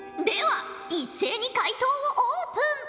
では一斉に解答をオープン。